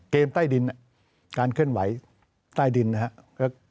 ใต้ดินการเคลื่อนไหวใต้ดินนะครับ